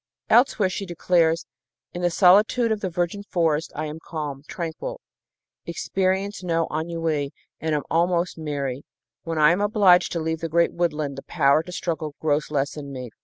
" Elsewhere she declares: "In the solitude of the virgin forest I am calm, tranquil, experience no ennui and am almost merry. When I am obliged to leave the great woodland the power to struggle grows less in me.